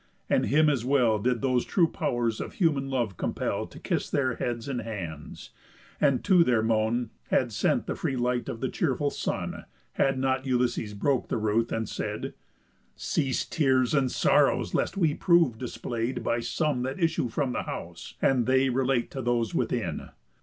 And him as well Did those true pow'rs of human love compell To kiss their heads and hands, and to their moan Had sent the free light of the cheerful sun, Had not Ulysses broke the ruth, and said; "Cease tears and sorrows, lest we prove display'd By some that issue from the house, and they Relate to those within.